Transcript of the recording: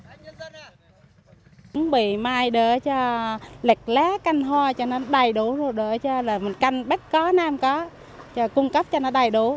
cũng bị mai đỡ cho lệch lá canh hoa cho nó đầy đủ rồi đỡ cho là mình canh bách có nam có cung cấp cho nó đầy đủ